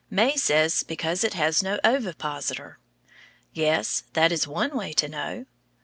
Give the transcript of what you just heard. May says because it has no ovipositor. Yes, that is one way to know.